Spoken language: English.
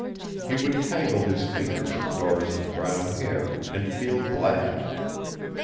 He would tangle his fingers in Doris' brown hair and feel glad.